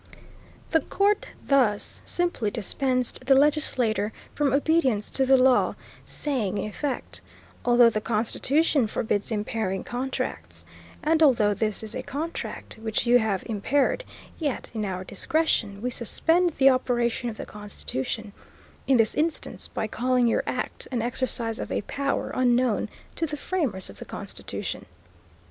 The court thus simply dispensed the legislature from obedience to the law, saying in effect, "although the Constitution forbids impairing contracts, and although this is a contract which you have impaired, yet, in our discretion, we suspend the operation of the Constitution, in this instance, by calling your act an exercise of a power unknown to the framers of the Constitution."